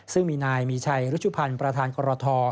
ซึ่งมีนายมีชัยรุชุพันธ์ประธานกรท